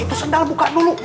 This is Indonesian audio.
itu sendal buka dulu